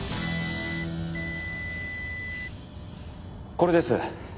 これです。